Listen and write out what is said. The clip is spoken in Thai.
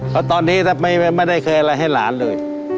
เพราะตอนนี้ไม่ได้เคยอะไรให้หลานเลย